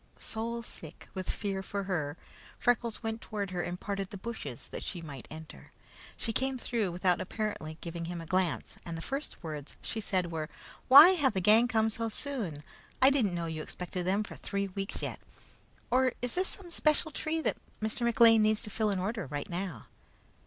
Soulsick with fear for her, Freckles went toward her and parted the bushes that she might enter. She came through without apparently giving him a glance, and the first words she said were: "Why have the gang come so soon? I didn't know you expected them for three weeks yet. Or is this some especial tree that Mr. McLean needs to fill an order right now?"